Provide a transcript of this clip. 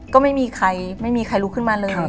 ก็ไม่มีใครไม่มีใครลุกขึ้นมาเลย